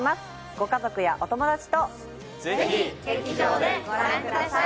ご家族やお友達とぜひ劇場でご覧ください